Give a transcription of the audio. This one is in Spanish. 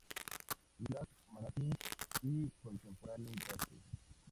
Nicholas Magazine", y "Contemporary Verse".